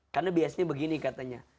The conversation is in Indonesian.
karena biasanya begini katanya